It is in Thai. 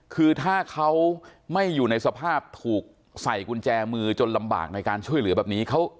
คือถ้าเขาไม่อยู่ในสภาพถูกใส่กุญแจมือจนลำบากในการช่วยเหลือแบบนี้